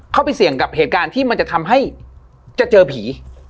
ไปเสี่ยงกับเหตุการณ์ที่มันจะทำให้จะเจอผี